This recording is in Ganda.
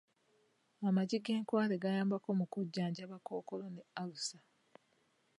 Amagi g’enkwale gayambako mu kujjanjaba kookolo ne alusa.